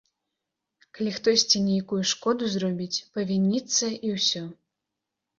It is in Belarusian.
Калі хтосьці нейкую шкоду зробіць, павініцца, і ўсё.